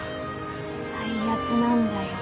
最悪なんだよ。